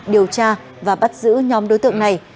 điều tra và bắt giữ nhóm đối tượng này